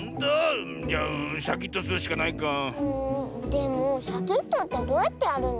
でもシャキッとってどうやってやるの？